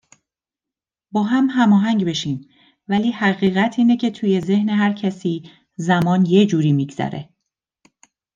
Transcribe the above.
باهم هماهنگ بشیم ولی حقیقت اینه که توی ذهن هرکسی، زمان یه جوری میگذره